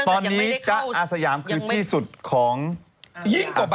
ตอนนี้จ๊ะอาสยามคือที่สุดของ